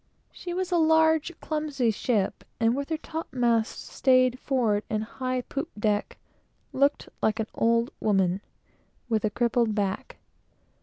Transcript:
She was a large, clumsy ship, and with her topmasts stayed forward, and high poop deck, looked like an old woman with a crippled back.